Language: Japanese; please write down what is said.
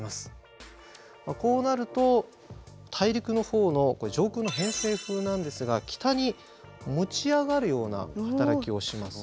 こうなると大陸の方の上空の偏西風なんですが北に持ち上がるような働きをします。